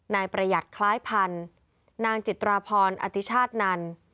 นายประหยัดคล้ายพันธุ์นางจิตราพรอติชาตินัน